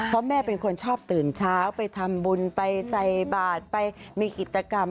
เพราะแม่เป็นคนชอบตื่นเช้าไปทำบุญไปใส่บาทไปมีกิจกรรม